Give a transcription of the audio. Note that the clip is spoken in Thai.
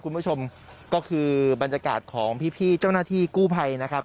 คุณผู้ชมก็คือบรรยากาศของพี่เจ้าหน้าที่กู้ภัยนะครับ